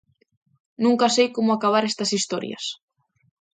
Nunca sei como acabar estas historias.